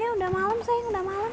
udah malam sayang